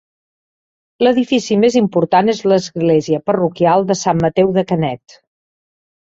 L'edifici més important és l'església parroquial de Sant Mateu de Canet.